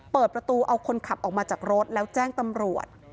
เปิดประตูเอาคนขับออกมาจากรถแล้วแจ้งตำรวจ